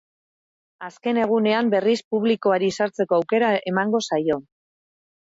Azken egunean, berriz, publikoari sartzeko aukera emango zaio.